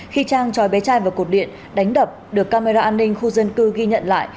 khi trang trói bé trai vào cột điện đánh đập được camera an ninh khu dân cư ghi nhận lại